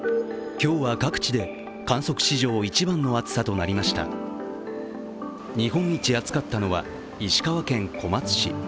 今日は各地で、観測史上１番の暑さとなりました日本一暑かったのは、石川県小松市。